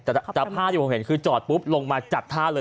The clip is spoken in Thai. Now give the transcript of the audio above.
แต่ภาพที่ผมเห็นคือจอดปุ๊บลงมาจัดท่าเลย